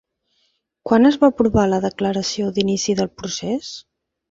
Quan es va aprovar la declaració d'inici del procés?